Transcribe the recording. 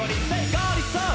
ガリさん！